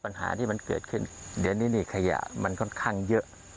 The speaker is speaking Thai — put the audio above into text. ปัญหาที่มันเกิดขึ้นเดี๋ยวนี้นี่ขยะมันค่อนข้างเยอะ